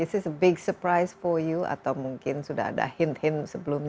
ini adalah kejutan besar untuk anda atau mungkin sudah ada hint hint sebelumnya